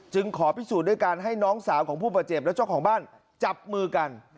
ขอพิสูจน์ด้วยการให้น้องสาวของผู้บาดเจ็บและเจ้าของบ้านจับมือกัน